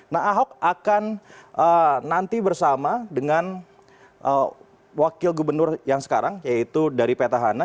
nah ahok akan nanti bersama dengan wakil gubernur yang sekarang yaitu dari petahana